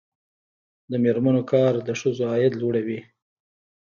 د میرمنو کار د ښځو عاید لوړوي.